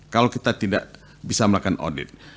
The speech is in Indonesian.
kalau kita tidak bisa melakukan audit